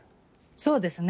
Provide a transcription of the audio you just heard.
そうですね。